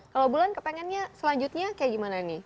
kalau bulan kepengennya selanjutnya kayak gimana nih